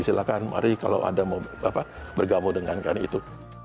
silakan mari kalau anda mau bergabung dengan kami itu